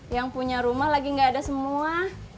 yang punya rumah lagi nggak ada semua